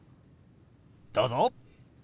どうぞ。